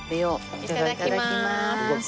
いただきます。